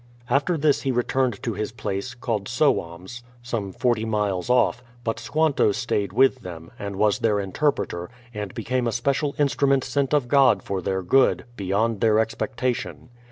After this he returned to his place, called Sowams, some forty miles off, but Squanto stayed with them, and was their interpreter, and became a special instrument sent of God for their good, beyond their expectation.